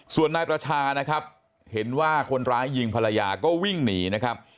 ส่วนนายประชานะครับเห็นว่าคนร้ายยิงภรรยาก็วิ่งหนีนะครับ